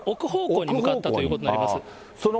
画面の奥方向に向かったということになります。